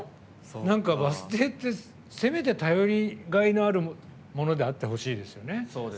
バス停って、せめて頼りがいのあるものであってほしいですよね。